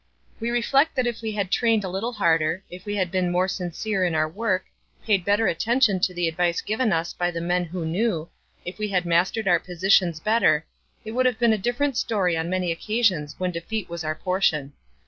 We reflect that if we had trained a little harder, if we had been more sincere in our work, paid better attention to the advice given us by the men who knew, if we had mastered our positions better, it would have been a different story on many occasions when defeat was our portion.